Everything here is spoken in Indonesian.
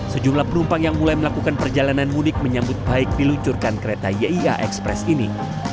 sejumlah penumpang yang mulai melakukan perjalanan mudik menyambut baik diluncurkan kereta yia express ini